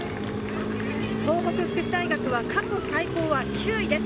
東北福祉大学は過去最高は９位です。